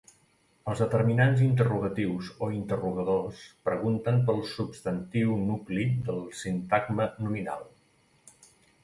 Els determinants interrogatius o interrogadors pregunten pel substantiu nucli del sintagma nominal.